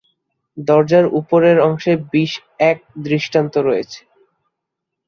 দরজার উপরের অংশে বিশ এক দৃষ্টান্ত রয়েছে।